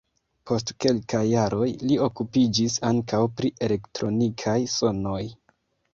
Post kelkaj jaroj li okupiĝis ankaŭ pri elektronikaj sonoj.